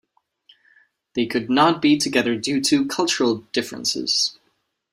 They could not be together due to cultural differences.